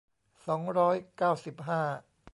สองร้อยเก้าสิบห้า